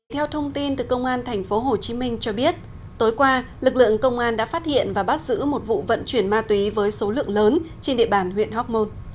theo thông tin từ công an tp hcm cho biết tối qua lực lượng công an đã phát hiện và bắt giữ một vụ vận chuyển ma túy với số lượng lớn trên địa bàn huyện hoc mon